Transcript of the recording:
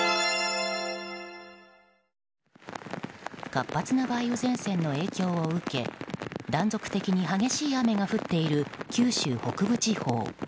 活発な梅雨前線の影響を受け断続的に激しい雨が降っている九州北部地方。